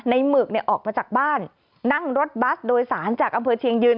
หมึกเนี่ยออกมาจากบ้านนั่งรถบัสโดยสารจากอำเภอเชียงยืน